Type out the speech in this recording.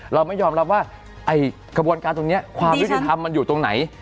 เราไม่ยอมรับว่าไอ้กระบวนการตรงนี้ความยุติธรรมมันอยู่ตรงไหน